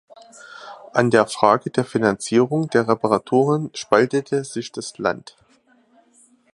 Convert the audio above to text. An der Frage der Finanzierung der Reparaturen spaltete sich das Land.